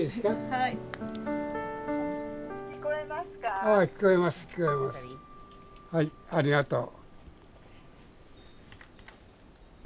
はいありがとう。